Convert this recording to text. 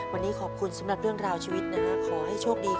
วันนี้ขอบคุณสำหรับเรื่องราวชีวิตนะฮะขอให้โชคดี